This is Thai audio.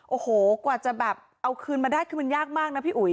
โอ้โหกว่าจะแบบเอาคืนมาได้คือมันยากมากนะพี่อุ๋ย